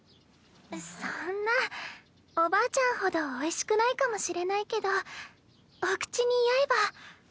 そんなおばあちゃんほどおいしくないかもしれないけどお口に合えば。